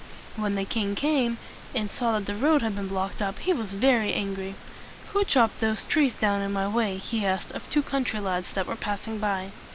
When the king came, and saw that the road had been blocked up, he was very angry. "Who chopped those trees down in my way?" he asked of two country lads that were passing by.